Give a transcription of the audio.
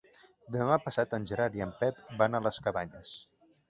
Demà passat en Gerard i en Pep van a les Cabanyes.